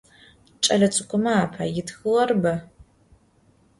Ç'elets'ık'ume apaê ıtxığer be.